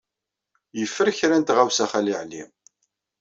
Yeffer kra n tɣawsa Xali Ɛli.